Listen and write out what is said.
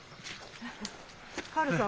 カールさん